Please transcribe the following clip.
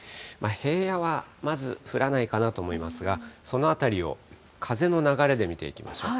平野はまず降らないかなと思いますが、そのあたりを風の流れで見ていきましょう。